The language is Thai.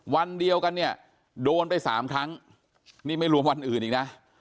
วันเดียวกันเนี่ยโดนไปสามครั้งนี่ไม่รวมวันอื่นอีกนะ